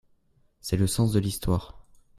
C’est le sens de l’histoire.